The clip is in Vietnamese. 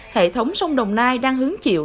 hệ thống sông đồng nai đang hứng chịu